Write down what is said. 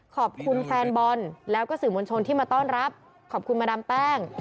ขอบคุณแฟนบอลแล้วก็สื่อมวลชนที่มาต้อนรับขอบคุณมาดามแป้ง